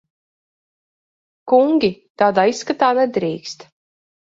Kungi! Tādā izskatā nedrīkst.